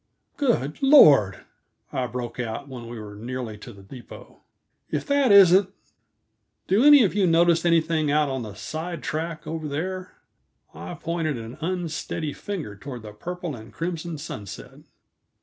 "Good Lord!" I broke out, when we were nearly to the depot "If that isn't do any of you notice anything out on the side track, over there?" I pointed an unsteady finger toward the purple and crimson sunset.